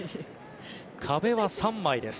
壁は３枚です。